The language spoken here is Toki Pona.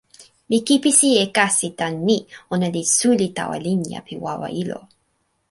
mi kipisi e kasi tan ni: ona li suli tawa linja pi wawa ilo.